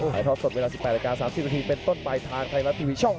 หายทอดสดเวลา๑๘น๓๐นเป็นต้นปลายทางไทยรัฐทีวีช่อง๓๒